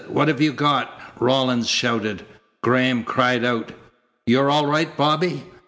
What have you got?" Rawlins shouted. Graham cried out: "You're all right, Bobby?"